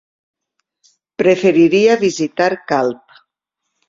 Preferiria visitar Calp.